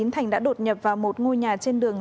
thành đã đột nhập vào một ngôi nhà trên đường